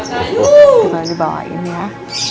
kau dibawain ya